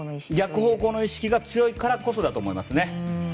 逆方向の意識が強いからこそだと思いますね。